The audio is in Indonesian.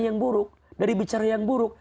yang buruk dari bicara yang buruk